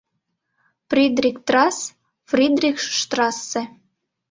Придрик-трас — Фридрих-штрассе.